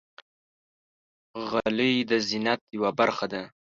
غلۍ د زینت یوه برخه ده.